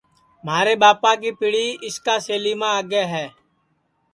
مھارے ٻاپا کی پِڑی اِسکا سیلیما آگے ہے